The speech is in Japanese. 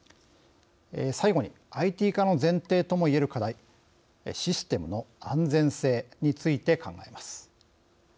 最後にＩＴ化の前提ともいえる課題システムの安全性について考えます。